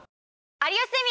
『有吉ゼミ』。